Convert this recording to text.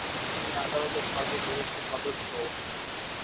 তিনি আদালতের সর্বকনিষ্ঠ সদস্যও।